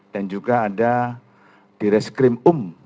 dan juga ada di reskrim um